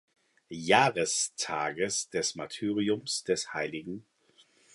Jahrestages des Martyriums des hl.